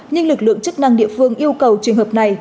nhưng lực lượng chức năng địa phương yêu cầu trường hợp này